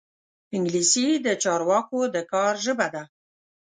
انګلیسي د چارواکو د کار ژبه ده